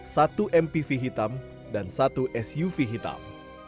satu mpv hitam dan satu suv hitam